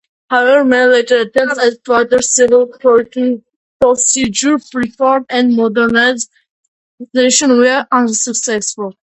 However, many later attempts at further civil procedure reform and modernization were unsuccessful.